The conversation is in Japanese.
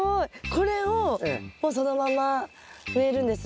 これをもうそのまま植えるんですね。